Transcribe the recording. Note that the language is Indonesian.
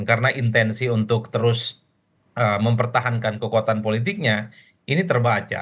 karena intensi untuk terus mempertahankan kekuatan politiknya ini terbaca